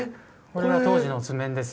これが当時の図面です。